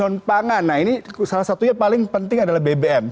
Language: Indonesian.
nah ini salah satunya paling penting adalah bbm